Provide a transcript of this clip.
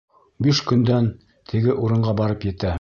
Биш көндән теге урынға барып етә.